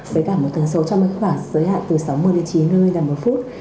với cả một tần số trong khoảng giới hạn từ sáu mươi đến chín mươi là một phút